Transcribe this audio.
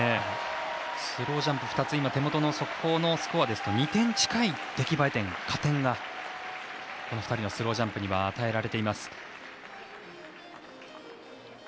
スロージャンプ２つ手元の速報のスコアですと２点近い出来栄え点加点が、この２人のスロージャンプには与えられています。